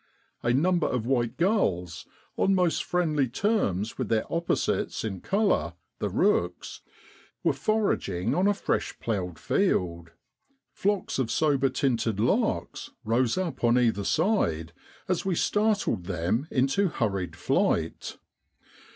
A number of white gulls, on most friendly terms with their opposites in colour, the rooks, were foraging on a fresh ploughed field, flocks of sober tinted larks rose up on either side as we startled them into hurried flight.